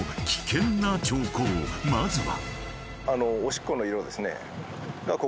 ［まずは］